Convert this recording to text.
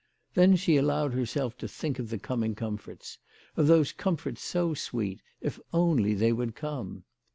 Then she allowed herself to think of the coming comforts, of those comforts so sweet, if only they would come